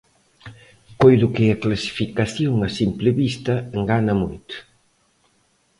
Coido que a clasificación, a simple vista, engana moito.